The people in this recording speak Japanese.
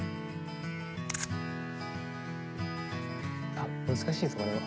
あっ難しいぞこれは。